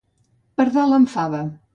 Pardal amb fava.